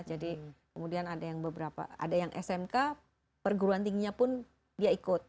jadi kemudian ada yang smk perguruan tingginya pun dianggap smk